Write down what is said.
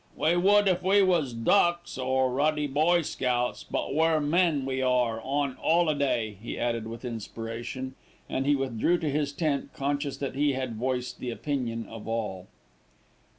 "We would if we was ducks, or ruddy boy scouts; but we're men, we are on 'oliday," he added with inspiration, and he withdrew to his tent, conscious that he had voiced the opinion of all.